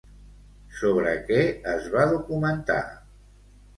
Sobre què es va documentar?